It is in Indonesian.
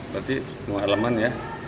berarti semua elemen ya